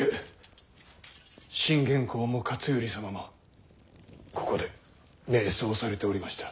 信玄公も勝頼様もここで瞑想されておりました。